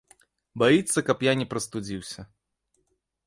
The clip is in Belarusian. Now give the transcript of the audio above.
Баіцца, каб я не прастудзіўся.